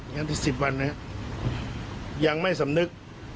ยังได้๑๐วันนะครับยังไม่สำนึก